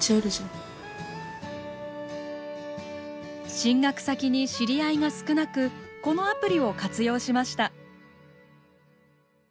進学先に知り合いが少なくこのアプリを活用しました。